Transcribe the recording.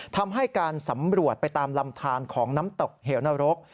ทำให้การสำรวจไปตามลำทานของน้ำตกเหวนรก